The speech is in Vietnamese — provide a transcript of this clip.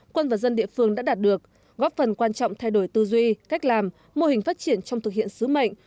quân và dân địa phương đã đạt được góp phần quan trọng thay đổi tư duy cách làm mô hình phát triển trong thực hiện sứ mệnh